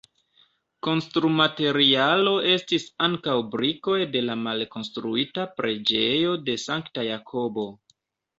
Konstrumaterialo estis ankaŭ brikoj de la malkonstruita Preĝejo de Sankta Jakobo.